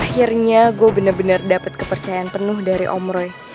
akhirnya gue bener bener dapet kepercayaan penuh dari om roy